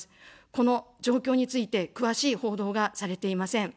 この状況について詳しい報道がされていません。